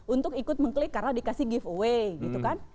untuk ikut mengklik karena dikasih giveaway gitu kan